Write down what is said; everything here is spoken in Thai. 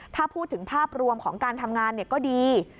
ถ้าพูดถึงภาพรวมของการทำงานก็ดี